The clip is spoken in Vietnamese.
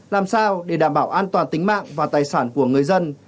làm sao để đảm bảo an toàn tính mạng và tài sản của người dân